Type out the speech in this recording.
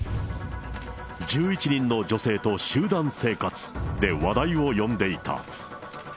１１人の女性と集団生活で話題を呼んでいた。